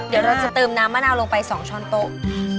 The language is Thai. เดี๋ยวเราจะเติมน้ำมะนาวลงไป๒ช้อนโต๊ะ